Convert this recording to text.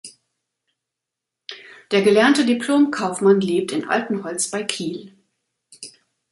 Der gelernte Diplom-Kaufmann lebt in Altenholz bei Kiel.